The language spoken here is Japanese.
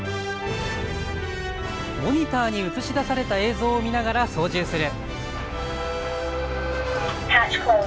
モニターに映し出された映像を見ながら操縦する。